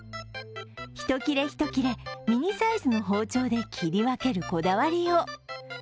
１切れ、１切れ、ミニサイズの包丁で切り分けるこだわりよう。